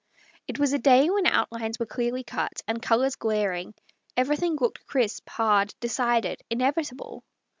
It was a day when outlines were clearly cut, and colours glaring; everything looked crisp, hard, decided, inevitable.